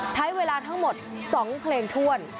ใช้เวลาทั้งหมด๒เพลงถ้วน